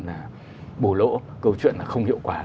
là bổ lỗ câu chuyện là không hiệu quả